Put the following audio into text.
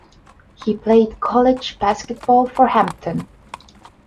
He played college basketball for Hampton.